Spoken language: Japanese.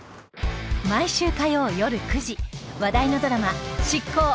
毎週火曜よる９時話題のドラマ『シッコウ！！